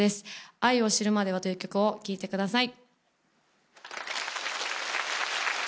「愛を知るまでは」という曲を聴いてください。